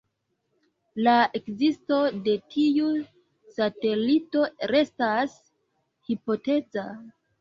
La ekzisto de tiu satelito restas hipoteza.